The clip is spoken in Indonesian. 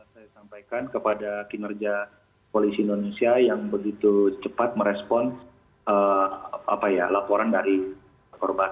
saya sampaikan kepada kinerja polisi indonesia yang begitu cepat merespon laporan dari korban